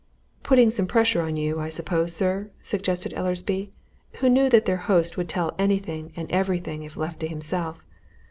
"Putting some pressure on you, I suppose, sir?" suggested Easleby, who knew that their host would tell anything and everything if left to himself.